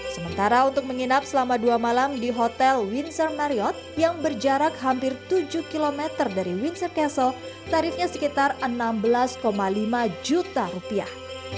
sementara untuk menginap selama dua malam di hotel windsor mariot yang berjarak hampir tujuh km dari windsor castle tarifnya sekitar enam belas lima juta rupiah